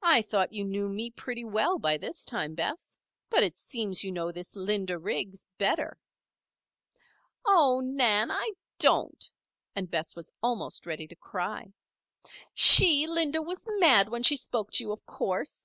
"I thought you knew me pretty well by this time, Bess. But, it seems you know this Linda Riggs better." "Oh, Nan! I don't," and Bess was almost ready to cry. "She, Linda, was mad when she spoke to you, of course.